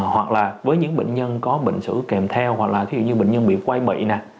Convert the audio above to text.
hoặc là với những bệnh nhân có bệnh sử kèm theo hoặc là ví dụ như bệnh nhân bị quay bị nè